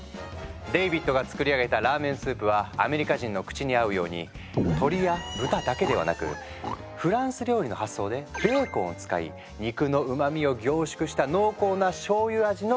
デイビッドが作り上げたラーメンスープはアメリカ人の口に合うように鶏や豚だけではなくフランス料理の発想でベーコンを使い肉のうまみを凝縮した濃厚なしょうゆ味のスープ。